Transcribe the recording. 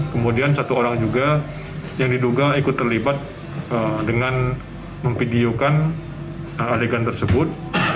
kemudian satu orang juga yang diduga ikut terlibat dengan memvideokan adegan tersebut